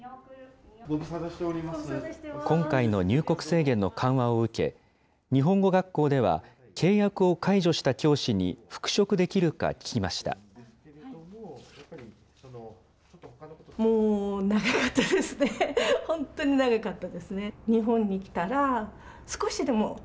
今回の入国制限の緩和を受け、日本語学校では契約を解除した教師に復職できるか聞きました。